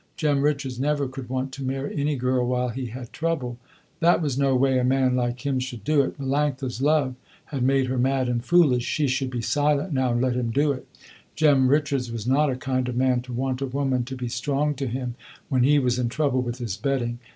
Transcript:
Jem Richards never could want to marry any girl while he had trouble. That was no way a man like him should do it. Melanctha's love had made her mad and foolish, she should be silent now and let him do it. Jem Richards was not a kind of man to want a woman to be strong to him, when he was in trouble with his betting.